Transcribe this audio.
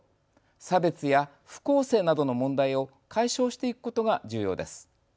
差別や不公正などの問題を解消してゆくことが重要です。